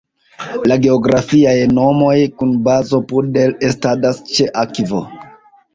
La geografiaj nomoj kun bazo Pudel estadas ĉe akvo.